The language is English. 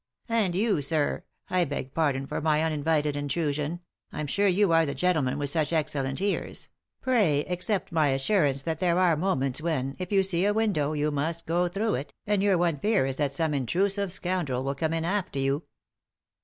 And you, sir, I beg pardon for my uninvited intrusion — I am sure you are the gentle man with such excellent ears 1 — pray accept my assur ance that there are moments when, if you see a window, you must go through it, and your one fear is that some intrusive scoundrel will come in after you."